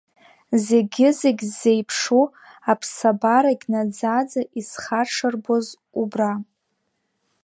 Зегьы-зегь ззеиԥшу аԥсабарагь наӡаӡа исхаҽырбоз убра.